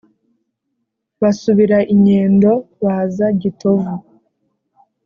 Basumira i Nyendo, baza Gitovu,